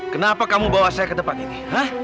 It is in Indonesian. kenapa kamu bawa saya ke tempat ini